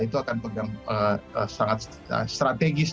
itu akan pegang sangat strategis